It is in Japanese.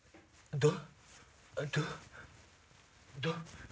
どう？